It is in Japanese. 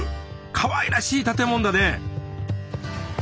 かわいらしい建物だね。